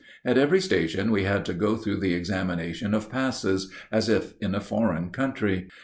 At every station we had to go through the examination of passes, as if in a foreign country.